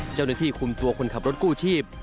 เจ้าหน้าที่คุมตัวคนขับรถกู้ชีพ